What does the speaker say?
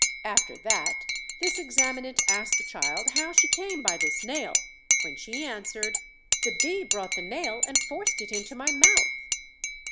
After that, this examinant asked the child how she came by this nail, when she answered, 'The bee brought the nail, and forced it into my mouth.'